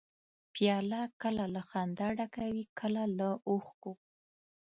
پیاله کله له خندا ډکه وي، کله له اوښکو.